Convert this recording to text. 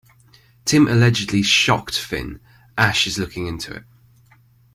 Tim allegedly shocked Finn, Ash is looking into it.